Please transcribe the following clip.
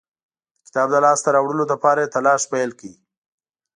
د کتاب د لاسته راوړلو لپاره یې تلاښ پیل کړ.